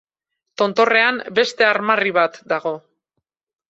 Tontorrean, beste armarri bat dago.